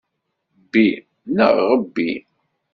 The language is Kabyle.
Bbi, neɣ ɣebbi.